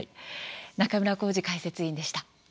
中村幸司解説委員でした。